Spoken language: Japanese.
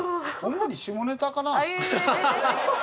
主に下ネタかな。